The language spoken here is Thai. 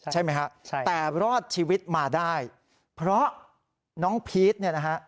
ใช่ไหมฮะใช่แต่รอดชีวิตมาได้เพราะน้องพีชเนี่ยนะฮะ